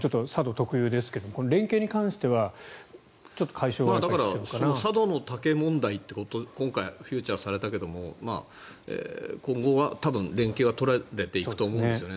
特有ですがこの連携に関しては佐渡の竹問題ということが今回、フィーチャーされたけど今後は多分、連携は取られていくと思うんですよね。